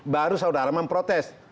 baru saudara memprotes